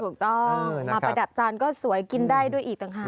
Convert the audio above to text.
ถูกต้องมาประดับจานก็สวยกินได้ด้วยอีกต่างหาก